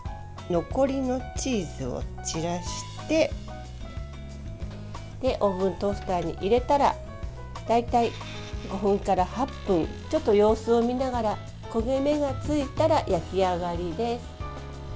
残りのチーズを散らしてオーブントースターに入れたら大体５分から８分ちょっと様子を見ながら焦げ目がついたら焼き上がりです。